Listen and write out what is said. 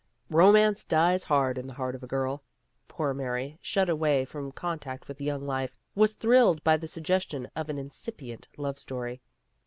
Romance dies hard in the heart of a girl. Poor Mary, shut away from con tact with young life, was thrilled by the sugges tion of an incipient love story.